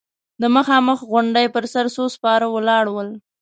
د مخامخ غونډۍ پر سر څو سپاره ولاړ ول.